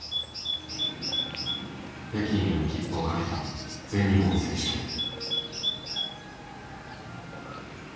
北京への切符をかけた全日本選手権。